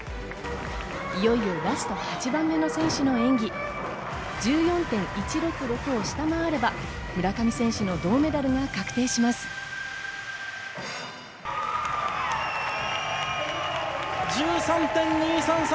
いよいよ、ラスト８番目の選手の演技。１４．１６６を下回れば、村上選手の銅メダルが確定します。１３．２３３。